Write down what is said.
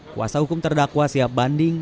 kuasa hukum terdakwa siap banding